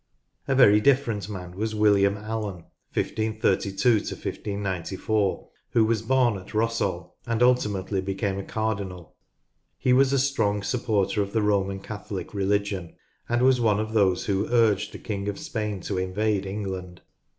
A very different man was William Allen ( 1 532 1 594), who was born at Rossall, and ultimately became a cardinal. He was a strong supporter of the Roman Catholic religion, and was one of those who urged the King of Spain to invade England.